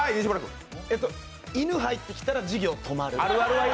犬入ってきたら授業止まる。